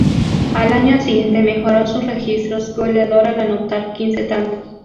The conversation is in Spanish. Al año siguiente mejoró sus registros goleador al anotar quince tantos.